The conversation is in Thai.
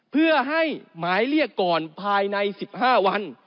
เพื่อให้หมายเรียกก่อนภายใน๑๕วัน